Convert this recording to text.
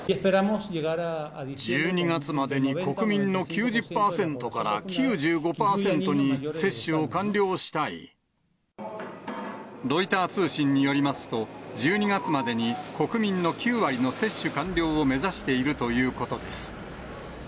１２月までに国民の９０％かロイター通信によりますと、１２月までに国民の９割の接種完了を目指しているということです。